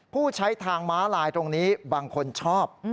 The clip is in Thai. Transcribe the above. ผู้ใช้ทางม้าลายตรงนี้บางคนชอบ